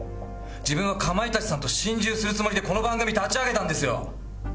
自分はかまいたちさんと心中するつもりでこの番組立ち上げたんですよ。